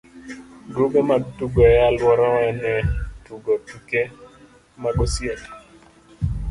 grube mag tugo e alworawa ne tugo tuke mag osiep.